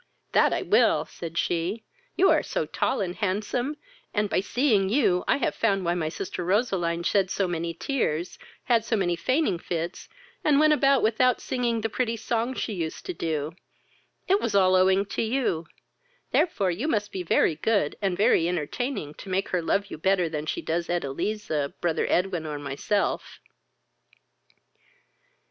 "That I will! (said she.) You are so tall and handsome, and by seeing you I have found why my sister Roseline shed so many tears, had so many fainting fits, and went about without singing the pretty songs she used to do; it was all owing to you; therefore you must be very good, and very entertaining, to make her love you better than she does Edeliza, brother Edwin, or myself."